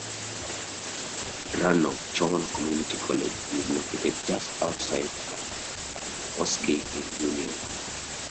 Roanoke-Chowan Community College is located just outside Ahoskie in Union.